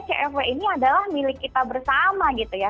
cfw ini adalah milik kita bersama gitu ya